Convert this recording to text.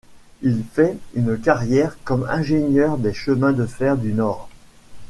Il fait une carrière comme ingénieur des chemins de fer du Nord.